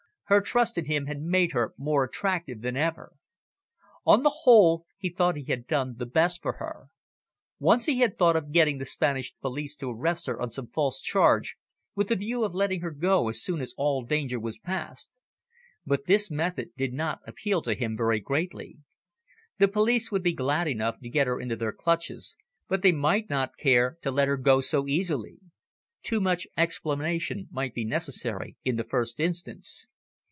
Her trust in him had made her more attractive than ever. On the whole, he thought he had done the best for her. Once he had thought of getting the Spanish police to arrest her on some false charge, with the view of letting her go as soon as all danger was past. But this method did not appeal to him very greatly. The police would be glad enough to get her into their clutches, but they might not care to let her go so easily. Too much explanation might be necessary, in the first instance.